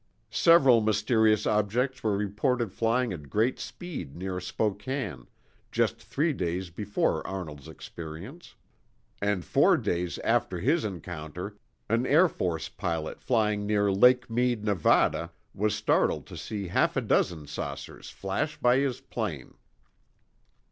Several mysterious objects were reported flying at great speed near Spokane, just three days before Arnold's experience. And four days after his encounter, an Air Force pilot flying near Lake Meade, Nevada, was startled to see half a dozen saucers flash by his plane.